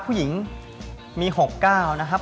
ผู้หญิงมี๖๙นะครับ